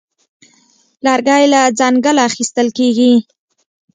لرګی له ځنګله اخیستل کېږي.